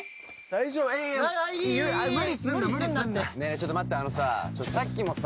ちょっと待ってあのささっきもさ